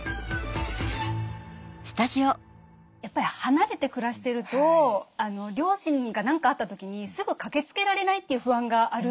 やっぱり離れて暮らしてると両親が何かあった時にすぐ駆けつけられないという不安があるじゃないですか。